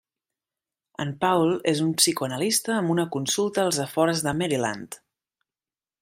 En Paul és un psicoanalista amb una consulta als afores de Maryland.